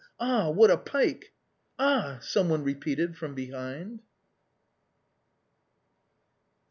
Ah, what a pike !"" Ah !" some one repeated from behind.